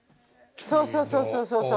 そうそうそうそう。